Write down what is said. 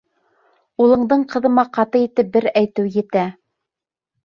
Улыңдың ҡыҙыма ҡаты итеп бер әйтеү етә!